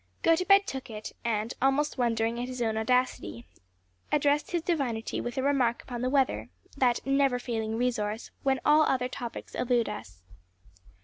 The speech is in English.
Gotobed took it, and, almost wondering at his own audacity, addressed his divinity with a remark upon the weather that never failing resource when all other topics elude us.